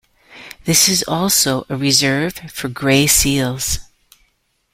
This is also a reserve for grey seals.